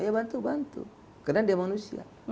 ya bantu bantu karena dia manusia